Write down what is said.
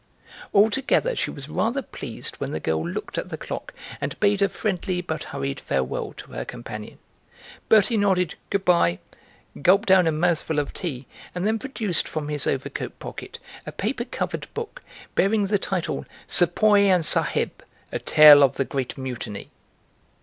Altogether she was rather pleased when the girl looked at the clock and bade a friendly but hurried farewell to her companion. Bertie nodded "good bye," gulped down a mouthful of tea, and then produced from his overcoat pocket a paper covered book, bearing the title "Sepoy and Sahib, a tale of the great Mutiny."